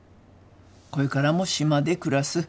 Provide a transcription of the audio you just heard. これからも島で暮らす。